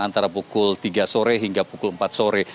ini adalah proses penjagaan yang sangat berharga